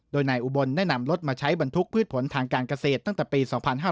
โดยนายอุบลได้นำรถมาใช้บรรทุกพืชผลทางการเกษตรตั้งแต่ปี๒๕๕๙